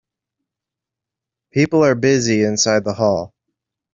People are busy inside the hall.